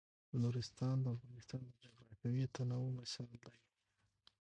نورستان د افغانستان د جغرافیوي تنوع مثال دی.